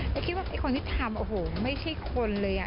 ในคิดว่าคนที่ทำไม่ใช่คนเลย